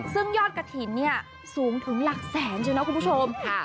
ซึ่งยอดกระถิ่นเนี่ยสูงถึงหลักแสนจริงนะคุณผู้ชม